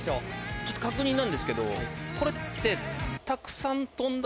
ちょっと確認なんですけどこれって。